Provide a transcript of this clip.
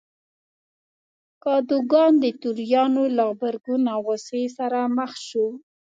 کادوګان د توریانو له غبرګون او غوسې سره مخ شو.